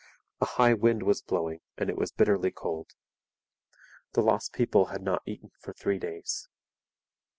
A high wind was blowing and it was bitterly cold. The lost people had not eaten for three days.